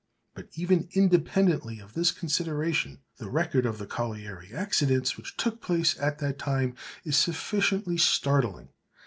But even independently of this consideration, the record of the colliery accidents which took place at that time is sufficiently startling.